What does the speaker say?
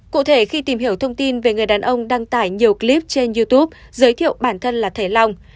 cụ thể khi tìm hiểu thông tin về người đàn ông đăng tải nhiều clip trên youtube giới thiệu bản thân là thầy long